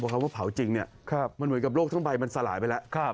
คำว่าเผาจริงเนี่ยมันเหมือนกับโรคทั้งใบมันสลายไปแล้ว